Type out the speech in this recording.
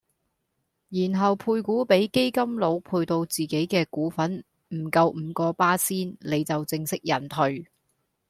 然後配股比基金佬配到自己既股份唔夠五個巴仙，你就正式引退